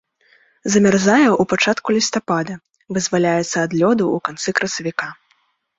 Замярзае ў пачатку лістапада, вызваляецца ад лёду ў канцы красавіка.